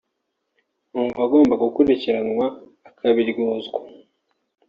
numva agomba gukurikiranwa akabiryozwa